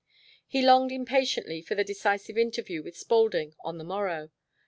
He longed impatiently for the decisive interview with Spaulding on the morrow.